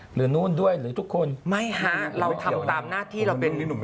นู่นด้วยหรือทุกคนไม่ฮะเราทำตามหน้าที่เราเป็น